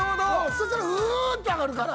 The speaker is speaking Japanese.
そしたらぐんって上がるから。